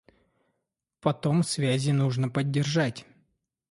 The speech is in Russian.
Потом связи нужно поддержать.